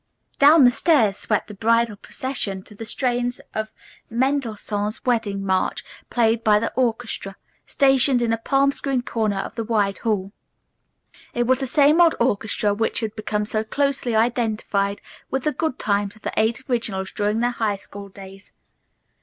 Down the stairs swept the bridal procession to the strains of Mendelssohn's wedding march played by the orchestra, stationed in a palm screened corner of the wide hall. It was the same old orchestra which had become so closely identified with the good times of the Eight Originals during their high school days.